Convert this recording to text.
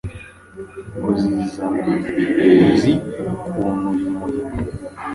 Ngo zizana! Uzi ukuntu uyu muhigo